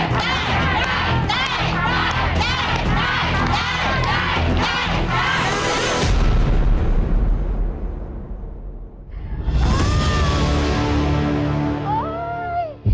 กล่อข้าวหลามใส่กระบอกภายในเวลา๓นาที